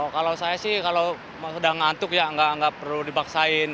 kalau saya sih kalau sudah ngantuk ya nggak perlu dibaksain